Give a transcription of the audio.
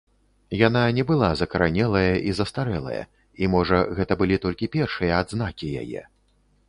Яна не была закаранелая і застарэлая, і можа гэта былі толькі першыя адзнакі яе.